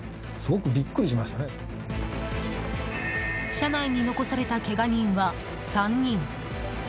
車内に残されたけが人は、３人。